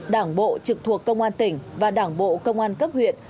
đảng bộ trực thuộc công an tỉnh và đảng bộ công an cấp huyện